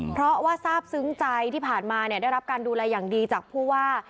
เพราะว่าทราบซึ้งใจที่ผ่านมาได้รับการดูแลอย่างดีจากผู้ว่า